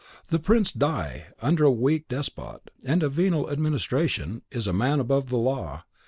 The Prince di , under a weak despot and a venal administration, is a man above the law.